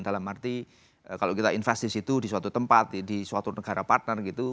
dalam arti kalau kita investasi itu di suatu tempat di suatu negara partner gitu